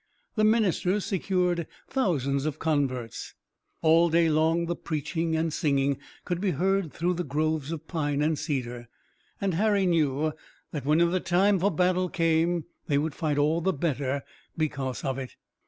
The ministers secured thousands of converts. All day long the preaching and singing could be heard through the groves of pine and cedar, and Harry knew that when the time for battle came they would fight all the better because of it.